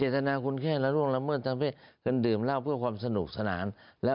ทั้ง๖คนโดนเหมือนกันสิครับ